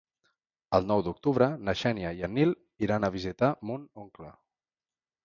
El nou d'octubre na Xènia i en Nil iran a visitar mon oncle.